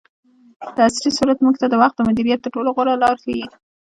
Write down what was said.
دعصري سورت موږ ته د وخت د مدیریت تر ټولو غوره لار ښیي.